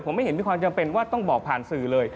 ผมไม่เห็นมีความจำเป็นว่าต้องบอกผ่านสื่อเลย